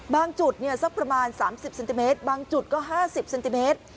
บางจุดสักประมาณ๓๐เซนติเมตรบางจุดก็๕๐เซนติเมตร